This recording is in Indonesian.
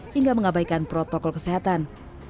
hingga mengabaikan protokol kesehatan